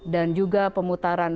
dan juga pemutaran